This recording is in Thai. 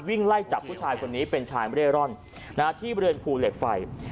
วิ่งไล่จับผู้ชายคนนี้เป็นชายเร่ร่อนที่บริเวณภูเหล็กไฟ